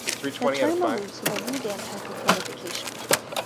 The term alludes to the "Redan" type of fortification.